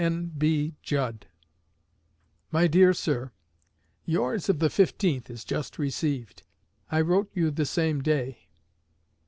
N.B. JUDD My Dear Sir: Yours of the 15th is just received. I wrote you the same day.